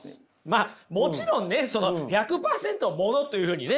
まあもちろんね１００％ものというふうにね